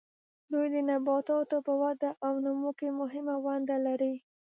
دوی د نباتاتو په وده او نمو کې مهمه ونډه لري.